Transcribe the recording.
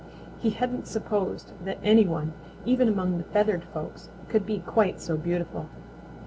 He hadn't supposed that any one, even among the feathered folks, could be quite so beautiful.